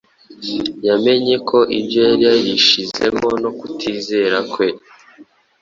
Yamenye ko ibyo yari yarishizemo no kutizera kwe